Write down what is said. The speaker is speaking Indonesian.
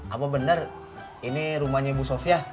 apa benar ini rumahnya ibu sofia